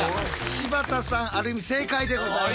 柴田さんある意味正解でございます。